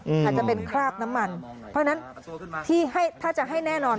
อาจจะเป็นคราบน้ำมันเพราะฉะนั้นที่ให้ถ้าจะให้แน่นอน